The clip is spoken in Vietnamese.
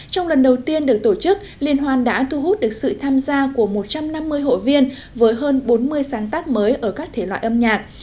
trong lần đầu tiên được tổ chức liên hoan đã thu hút được sự tham gia của một trăm năm mươi hội viên với hơn bốn mươi sáng tác mới ở các thể loại âm nhạc